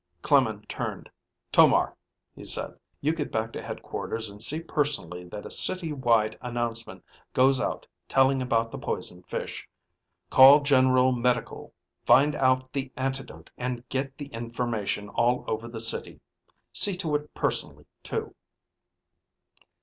Clemen turned. "Tomar," he said. "You get back to headquarters and see personally that a city wide announcement goes out telling about the poisoned fish. Call General Medical, find out the antidote, and get the information all over the city. See to it personally, too."